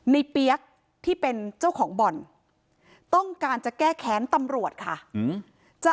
เปี๊ยกที่เป็นเจ้าของบ่อนต้องการจะแก้แค้นตำรวจค่ะจะ